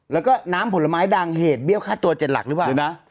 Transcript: แล้วก็น้ำผลไม้ดังเหตุเบี้ยวค่าตัว๗หลักหรือเปล่า